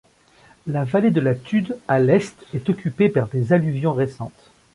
La vallée de la Tude, à l'est, est occupée par des alluvions récentes.